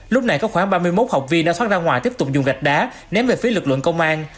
lúc này có khoảng ba mươi một học viên đã thoát ra ngoài tiếp tục dùng gạch đá ném về phía lực lượng công an